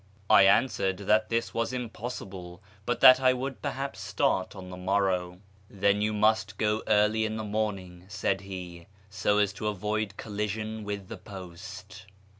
I answered that this was impossible, but that I would perhaps start on the morrow. " Then you must go early in the morning," said he, " so as to avoid collision with the post."